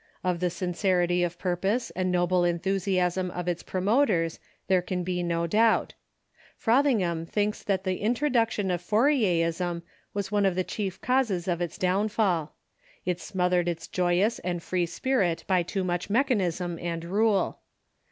Of the sincerity of purpose and noble enthusiasm of its promoters there can be no doubt. Frothingham thinks that the in troduction of Fouricrism was one of the chief causes of its downfall. It smothered its joyous and free spirit by too much mechanism and rule.